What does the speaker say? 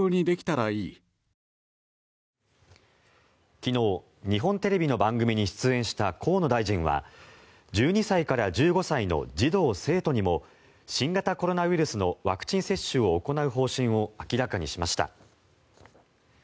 昨日、日本テレビの番組に出演した河野大臣は１２歳から１５歳の児童・生徒にも新型コロナウイルスのワクチン接種を行う方針を明らかにしました。